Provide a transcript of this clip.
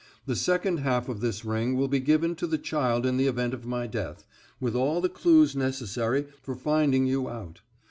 The second half of this ring will be given to the child in the event of my death, with all the clues necessary for finding you out.